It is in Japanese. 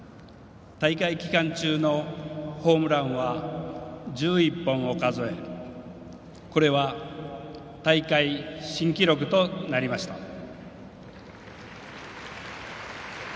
大会期間中のホームランは１１本を数えこれは大会新記録となりました。